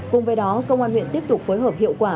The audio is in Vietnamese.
cùng với đó công an huyện tiếp tục phối hợp hiệu quả